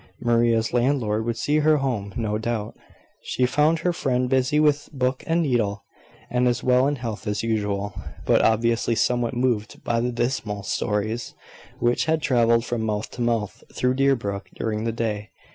Maria's landlord would see her home, no doubt. She found her friend busy with book and needle, and as well in health as usual, but obviously somewhat moved by the dismal stories which had travelled from mouth to mouth through Deerbrook during the day.